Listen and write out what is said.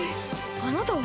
あなたは？